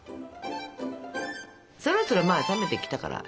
そろそろまあ冷めてきたから。